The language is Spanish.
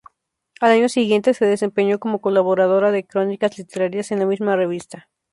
Al año siguiente, se desempeñó como colaboradora de crónicas literarias en la misma revista.